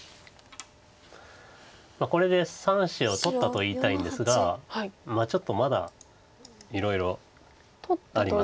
これで３子を取ったと言いたいんですがまあちょっとまだいろいろあります。